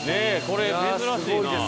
これ珍しいな。